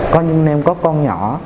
có những anh em có con nhỏ